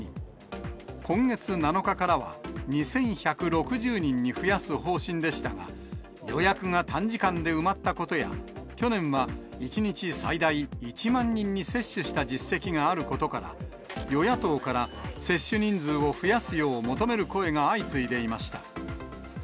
今月７日からは２１６０人に増やす方針でしたが、予約が短時間で埋まったことや、去年は１日最大１万人に接種した実績があることから、与野党から、接種人数を増やすよう求める声が相次いでいました。